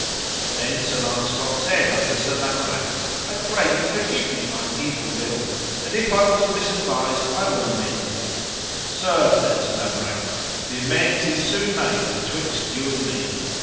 Then Sir Launcelot said unto Sir Lamorak. I pray you forgive me mine evil will, and if I was misadvised I will amend it. Sir, said Sir Lamorak, the amends is soon made betwixt you and me.